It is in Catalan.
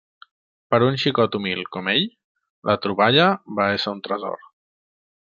Per un xicot humil com ell, la troballa va ésser un tresor.